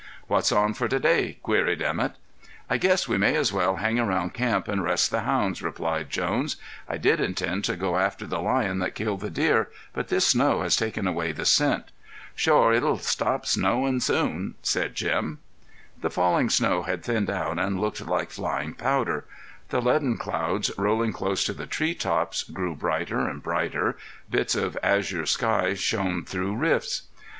"What's on for today?" queried Emett. "I guess we may as well hang around camp and rest the hounds," replied Jones. "I did intend to go after the lion that killed the deer, but this snow has taken away the scent." "Shore it'll stop snowin' soon," said Jim. The falling snow had thinned out and looked like flying powder; the leaden clouds, rolling close to the tree tops, grew brighter and brighter; bits of azure sky shone through rifts.